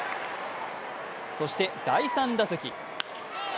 そして第３打席。